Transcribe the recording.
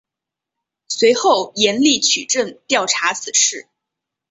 随后严厉取证调查此事。